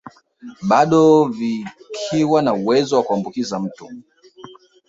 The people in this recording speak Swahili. Bado vikiwa na uwezo wa kuambukiza mtu